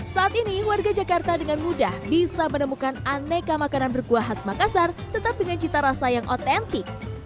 saat ini warga jakarta dengan mudah bisa menemukan aneka makanan berkuah khas makassar tetap dengan cita rasa yang otentik